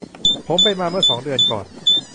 ผมไปมาเมื่อสองเดือนก่อน